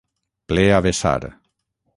Ple a vessar.